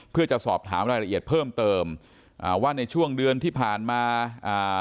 เพื่อจะสอบถามรายละเอียดเพิ่มเติมอ่าว่าในช่วงเดือนที่ผ่านมาอ่า